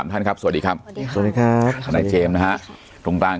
ท่านครับสวัสดีครับสวัสดีครับทนายเจมส์นะฮะตรงกลาง